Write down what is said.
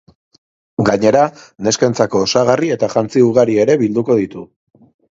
Gainera, neskentzako osagarri eta jantzi ugari ere bilduko ditu.